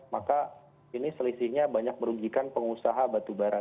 maka ini selisihnya banyak merugikan pengusaha batu barat